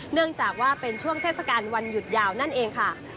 เนื่องจากว่าเป็นช่วงเทศกาลวันหยุดยาวนั่นเองค่ะ